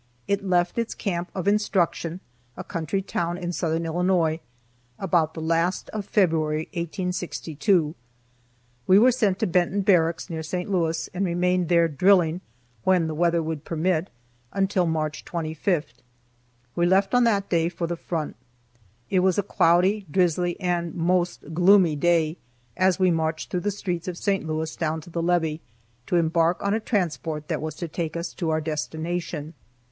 It left its camp of instruction (a country town in southern Illinois) about the last of February, 1862. We were sent to Benton Barracks, near St. Louis, and remained there drilling (when the weather would permit) until March 25th. We left on that day for the front. It was a cloudy, drizzly, and most gloomy day, as we marched through the streets of St. Louis down to the levee, to embark on a transport that was to take us to our destination.